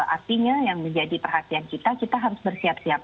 artinya yang menjadi perhatian kita kita harus bersiap siap